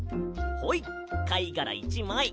はいかいがら１まい！